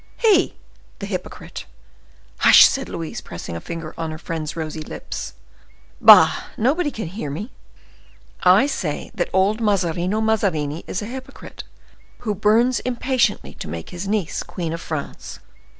"He!—the hypocrite!" "Hush!" said Louise, pressing a finger on her friend's rosy lips. "Bah! nobody can hear me. I say that old Mazarino Mazarini is a hypocrite, who burns impatiently to make his niece Queen of France."